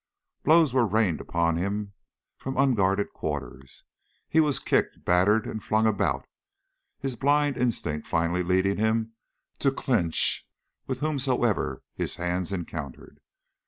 Blows were rained upon him from unguarded quarters, he was kicked, battered, and flung about, his blind instinct finally leading him to clinch with whomsoever his hands encountered.